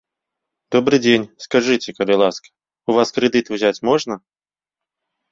Добры дзень, скажыце, калі ласка, у вас крэдыт узяць можна?